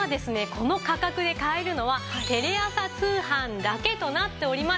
この価格で買えるのはテレ朝通販だけとなっております。